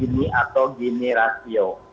ini atau gini rasio